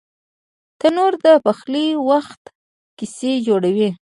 تنور د پخلي وخت کیسې جوړوي